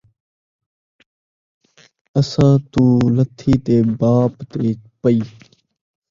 اساں توں لتھی تے باپ تے پئی